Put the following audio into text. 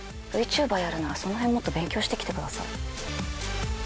ＶＴｕｂｅｒやるならそのへんもっと勉強して来てください。